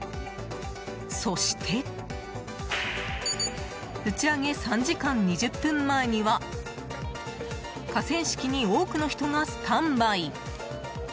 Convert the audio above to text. そして打ち上げ３時間２０分前には河川敷に多くの人がスタンバイ。